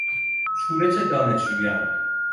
شورش دانشجویان